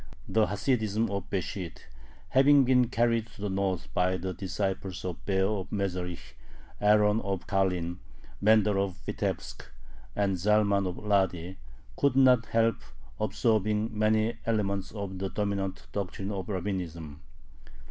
The Hasidism of Besht, having been carried to the north by the disciples of Baer of Mezherich, Aaron of Karlin, Mendel of Vitebsk, and Zalman of Ladi, could not help absorbing many elements of the dominant doctrine of Rabbinism.